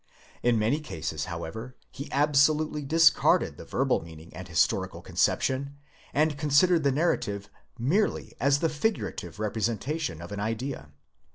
_In many cases, however, he absolutely discarded the verbal meaning and historical conception, and considered the narrative merely as the figurative representation of an idea.